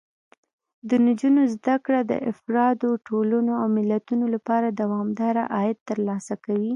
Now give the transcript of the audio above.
د نجونو زده کړه د افرادو، ټولنو او ملتونو لپاره دوامداره عاید ترلاسه کوي.